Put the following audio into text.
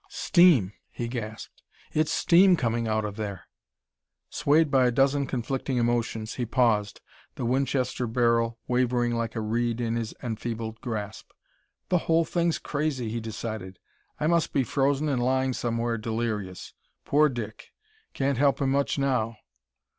"Steam!" he gasped. "It's steam coming out of there!" Swayed by a dozen conflicting emotions, he paused, the Winchester barrel wavering like a reed in his enfeebled grasp. "The whole thing's crazy," he decided. "I must be frozen and lying somewhere, delirious. Poor Dick! Can't help him much now."